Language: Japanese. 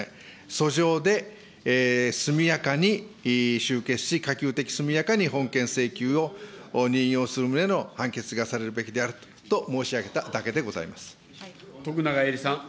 訴状で速やかに終結し、可及的速やかに本件請求を認容する旨の判決がされるべきであると徳永エリさん。